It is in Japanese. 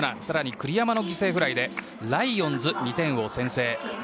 更に栗山の犠牲フライでライオンズ、２点を先制。